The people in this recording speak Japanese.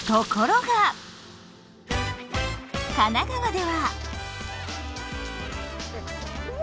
神奈川では。